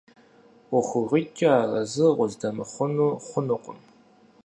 ӀуэхугъуитӀкӀэ арэзы укъыздэмыхъуу хъунукъым.